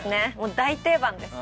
大定番です。